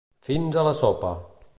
Fins a la sopa.